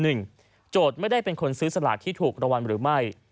โจทย์ไม่ได้เป็นคนซื้อสลากที่ถูกรางวัลหรือไม่